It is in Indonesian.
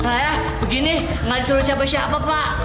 saya begini gak disuruh siapa siapa pak